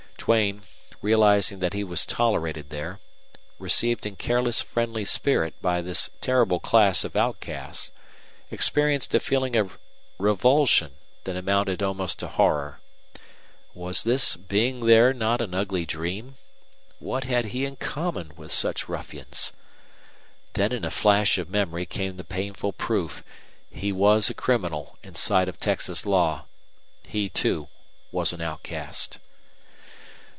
Duane, realizing that he was tolerated there, received in careless friendly spirit by this terrible class of outcasts, experienced a feeling of revulsion that amounted almost to horror. Was his being there not an ugly dream? What had he in common with such ruffians? Then in a flash of memory came the painful proof he was a criminal in sight of Texas law; he, too, was an outcast.